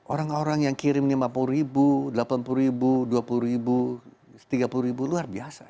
orang orang yang kirim lima puluh ribu delapan puluh ribu dua puluh ribu tiga puluh ribu luar biasa